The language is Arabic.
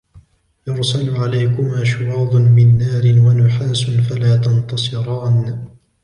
يُرْسَلُ عَلَيْكُمَا شُوَاظٌ مِنْ نَارٍ وَنُحَاسٌ فَلَا تَنْتَصِرَانِ